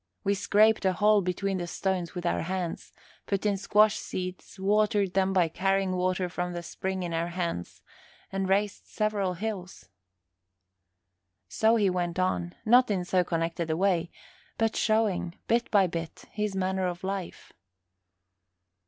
We scraped a hole between the stones with our hands, put in squash seeds, watered them by carrying water from the spring in our hands and raised several hills." So he went on, not in so connected a way, but showing, bit by bit, his manner of life.